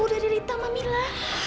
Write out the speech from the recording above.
udah dirita sama mila